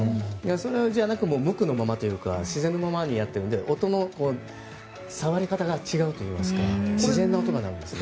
それじゃなく無垢のままというか自然のままにやっているので音の触り方が違うといいますか自然な音が流れますね。